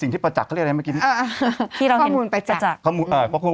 ที่เราเห็นประจักษ์ข้อมูลประจักษ์